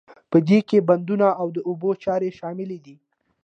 په دې کې بندونه او د اوبو چارې شاملې دي.